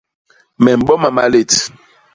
Me mboma malét.